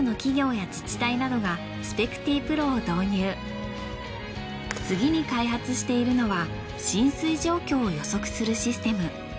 現在次に開発しているのは浸水状況を予測するシステム。